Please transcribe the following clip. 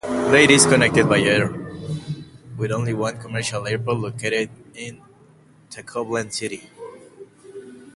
Leyte is connected by air, with only one commercial airport located in Tacloban City.